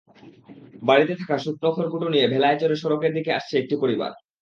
বাড়িতে থাকা শুকনো খড়কুটো নিয়ে ভেলায় চড়ে সড়কের দিকে আসছে একটি পরিবার।